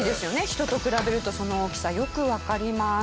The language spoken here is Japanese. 人と比べるとその大きさよくわかります。